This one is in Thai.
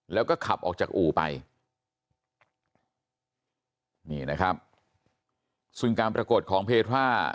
แล้วก็ขับออกจากอู่ไปนี่นะครับซึ่งการปรากฏของเพทรา